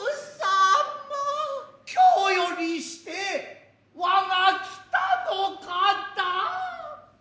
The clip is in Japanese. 今日よりしてわが北の方。